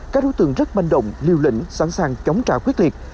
các đối tượng rất manh động liều lĩnh sẵn sàng chống trả quyết liệt